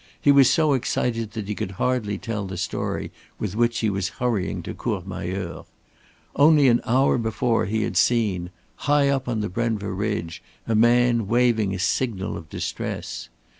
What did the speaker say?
He was so excited that he could hardly tell the story with which he was hurrying to Courmayeur. Only an hour before he had seen, high up on the Brenva ridge, a man waving a signal of distress.